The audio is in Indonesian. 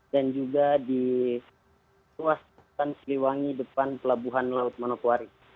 dan juga di ruas tanah siliwangi depan pelabuhan laut manokwari